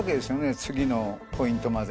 次のポイントまで。